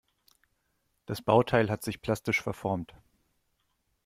Das Bauteil hat sich plastisch verformt.